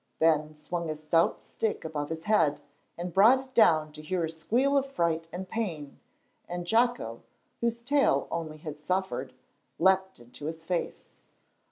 Ben swung his stout stick above his head, and brought it down to hear a squeal of fright and pain, and Jocko, whose tail only had suffered, leaped into his face.